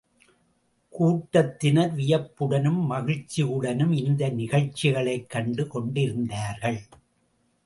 கூட்டத்தினர் வியப்புடனும் மகிழ்ச்சியுடனும் இந்த நிகழ்ச்சிகளைக் கண்டு கொண்டிருந்தார்கள்.